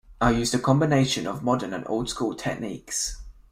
I used a combination of modern and old school techniques.